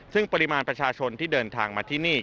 ซึ่งปริมาณประชาชนที่เดินทางมาที่นี่